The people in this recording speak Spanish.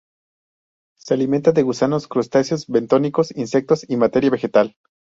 Se alimenta de gusanos, crustáceos bentónicos, insectos y materia vegetal.